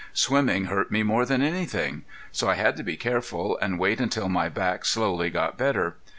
Swimming hurt me more than anything. So I had to be careful and wait until my back slowly got better.